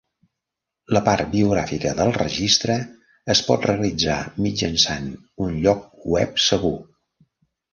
La part biogràfica del registre es pot realitzar mitjançant un lloc web segur.